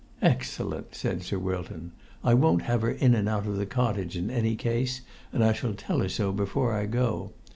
"Excellent!" said Sir Wilton. "I won't have her in and out of the cottages in any case, and I shall tell her so before I go.